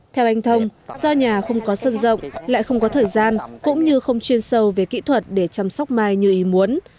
theo anh thông do nhà không có sân rộng lại không có thời gian cũng như không chuyên sâu về kỹ thuật để chăm sóc mai như ý muốn